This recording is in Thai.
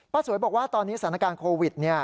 สวยบอกว่าตอนนี้สถานการณ์โควิด